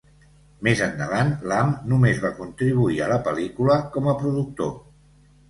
Més endavant, Lam només va contribuir a la pel·lícula com a productor.